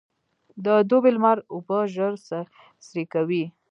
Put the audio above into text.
د دوبي لمر اوبه ژر سرې کوي.